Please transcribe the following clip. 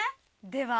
では。